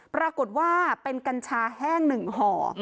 ปรากฏว่าเป็นกัญชาแห้ง๑ห่อ